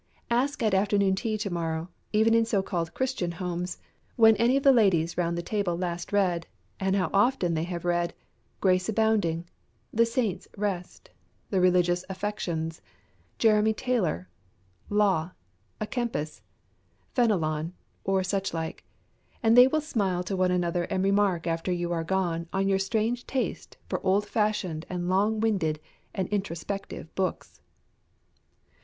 Ask at afternoon tea to morrow, even in so called Christian homes, when any of the ladies round the table last read, and how often they have read, Grace Abounding, The Saint's Rest, The Religious Affections, Jeremy Taylor, Law, a Kempis, Fenelon, or such like, and they will smile to one another and remark after you are gone on your strange taste for old fashioned and long winded and introspective books.